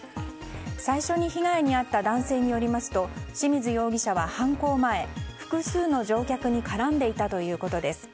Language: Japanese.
最初に被害に遭った男性によりますと清水容疑者は犯行前複数の乗客に絡んでいたということです。